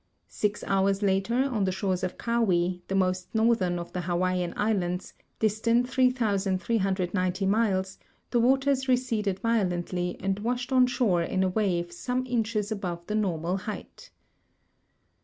Six hours later, on the shores of Kaui, the most northern of the Hawaiian islands, distant 3,390 miles, the waters receded violently and washed on shore in a wave some inches above the normal height.